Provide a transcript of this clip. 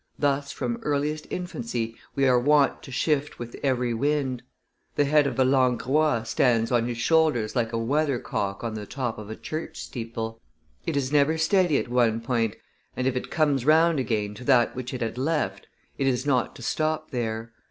Thus, from earliest infancy, they are wont to shift with every wind. The head of a Langrois stands on his shoulders like a weathercock on the top of a church steeple; it is never steady at one point, and, if it comes round again to that which it had left, it is not to stop there.